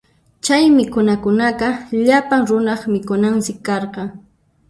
Chay mikhunakunaqa llapan runaq mikhunansi karqan.